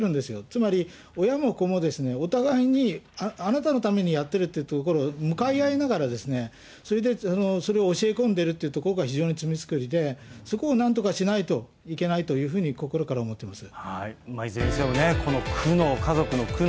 つまり、親も子もお互いにあなたのためにやってるというところ、向かい合いながら、それでそれを教え込んでいるというのが、非常に罪作りで、そこをなんとかしないといけないというふうに心から思ってます。